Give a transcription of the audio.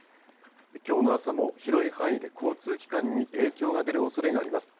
きょうの朝も広い範囲で交通機関に影響が出るおそれがあります。